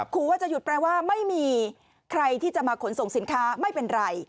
ขอว่าจะหยุดแปลว่าไม่มีใครที่จะมาขนส่งสินค้าไม่เป็นไร